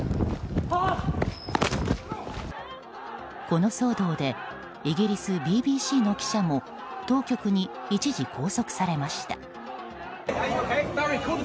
この騒動でイギリスＢＢＣの記者も当局に一時拘束されました。